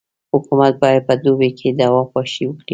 حکومت باید په دوبي کي دوا پاشي وکي.